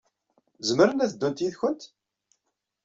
Zemren ad ddun yid-went?